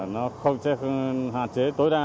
nó không hạn chế tối đa